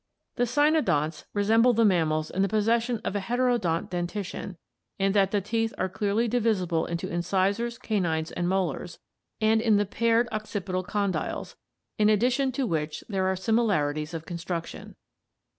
The cynodonts re semble the mammals in the possession of a heterodont dentition, in that the teeth are clearly divisible into incisors, canines, and molars, and in the paired occipital condyles, in addition to which there are similarities of construction.